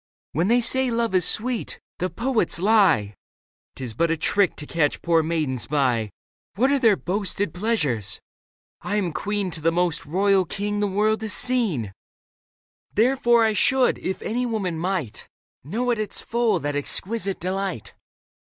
When they say love is sweet, the poets lie ; 'Tis but a trick to catch poor maidens by. What are their boasted pleasures ? I am queen To the most royal king the world has seen ; Therefore I should, if any woman might. Know at its full that exquisite delight.